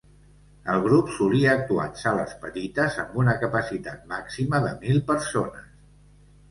El grup solia actuar en sales petites amb una capacitat màxima de mil persones.